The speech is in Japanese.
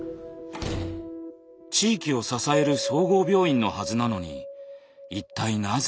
地域を支える総合病院のはずなのに一体なぜ？